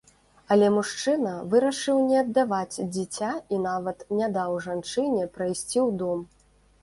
Але мужчына вырашыў не аддаваць дзіця і нават не даў жанчыне прайсці ў дом.